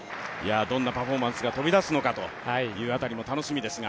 どんなパフォーマンスがとびだすのかというのも楽しみですが。